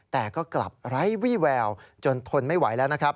แต่ก็กลับไร้วี่แววจนทนไม่ไหวแล้วนะครับ